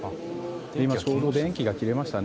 今ちょうど電気が消えましたね。